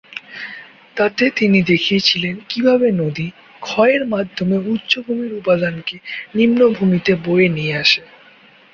তাতে তিনি দেখিয়েছিলেন কি ভাবে নদী ক্ষয়ের মাধ্যমে উচ্চভূমির উপাদানকে নিম্ন ভূমি তে বয়ে নিয়ে আসে।